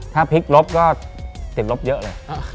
ถ้าพลิกลบก็ติดลบเยอะเลย